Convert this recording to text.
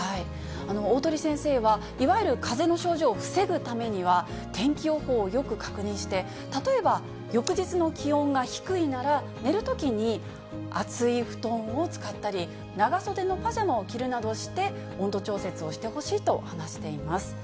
鴻先生はいわゆるかぜの症状を防ぐためには、天気予報をよく確認して、例えば翌日の気温が低いなら、寝るときに厚い布団を使ったり、長そでのパジャマを着るなどして、温度調節をしてほしいと話しています。